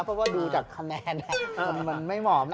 เพราะว่าดูจากคะแนนมันไม่เหมาะนะ